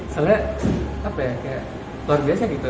soalnya apa ya kayak luar biasa gitu